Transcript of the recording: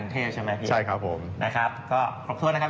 เป็นโอกาสนะครับเป็นโอกาส